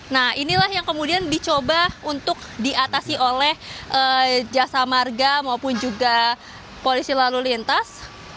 nah inilah yang kemudian dicoba untuk diatasi oleh jasa marga maupun juga polisi lalu lintas